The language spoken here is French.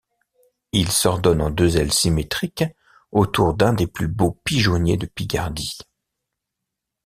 Il s'ordonne en deux ailes symétriques autour d'un des plus beaux pigeonniers de Picardie.